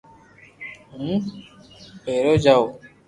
ھون ڀارآ جاُو